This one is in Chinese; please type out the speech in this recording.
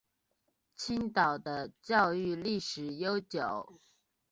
青岛的教育历史悠久。